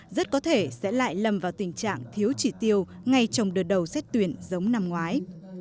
rất có thể sẽ lại lâm vào tình trạng thiếu chỉ tiêu ngay trong đợt đầu xét tuyển giống năm ngoái